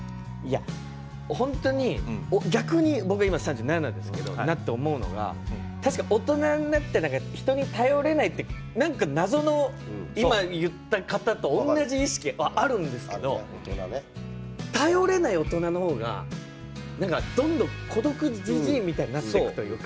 逆に僕は３７になって思うのは大人になって人に頼れないって謎の今言った方と同じ意識があるんですけど頼れない大人の方がなんかどんどん、孤独じじいみたいになっていくというか。